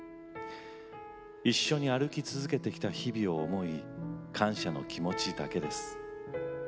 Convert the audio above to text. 一緒に歩き続けてきた日々を思い感謝の気持ちだけです。